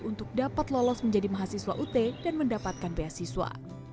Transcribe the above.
untuk dapat lolos menjadi mahasiswa ut dan mendapatkan beasiswa